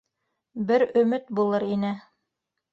Бер өмөт булыр ине.